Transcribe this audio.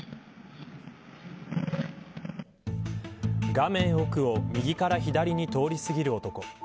画面奥を右から左に通り過ぎる男。